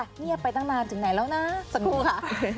เงียบไปตั้งนานถึงไหนแล้วนะสักครู่ค่ะ